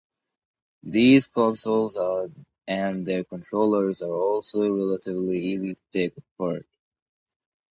These consoles and their controllers are also relatively easy to take apart.